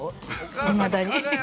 いまだに。